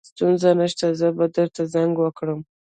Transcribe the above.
ستونزه نشته زه به درته زنګ وکړم